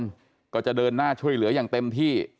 เนี่ยเขาจะเดินหน้าช่วยเหลืออย่างเต็มที่